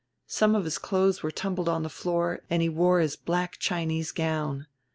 Some of his clothes were tumbled on the floor, and he wore his black Chinese gown.